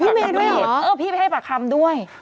พี่ไปให้ปากคำด้วย